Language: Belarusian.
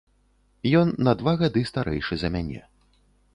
Ён на два гады старэйшы за мяне.